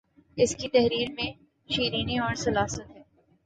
اسکی تحریر میں شیرینی اور سلاست ہے